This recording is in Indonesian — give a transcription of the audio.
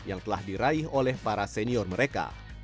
yang telah diraih oleh para senior mereka